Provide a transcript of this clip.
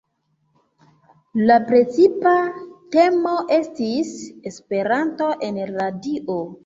La precipa temo estis "Esperanto en radio".